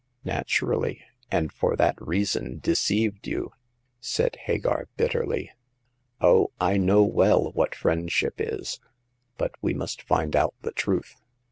" Naturally ; and for that reason deceived you," said Hagar, bitterly. 0h, I know well what friendship is ! But we must find out the truth.